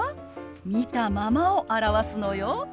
見たままを表すのよ。